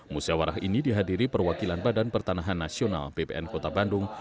musyawarah ini dihadiri perwakilan badan pertanahan nasional bpn kota bandung